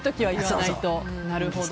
なるほど。